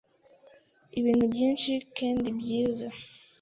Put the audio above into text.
ibintu byinshi kendi byize”.